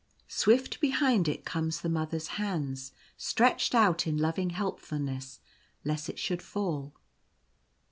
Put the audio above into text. Swift behind it come the Mother's hands stretched out in loving helpfulness, lest it should fall.